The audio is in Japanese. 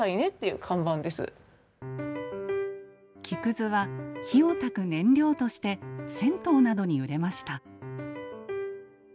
木くずは火をたく燃料として銭湯などに売れました。